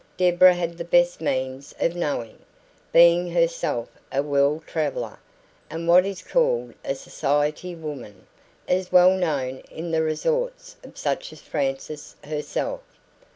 Deborah had the best means of knowing, being herself a world traveller, and what is called a society woman, as well known in the resorts of such as Frances herself.